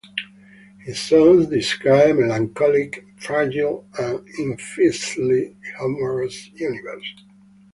His songs describe a melancholic, fragile and impishly humorous universe.